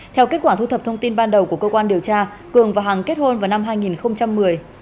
theo kết quả thu thập thông tin ban đầu của cơ quan điều tra cường và hằng kết hôn vào năm hai nghìn một mươi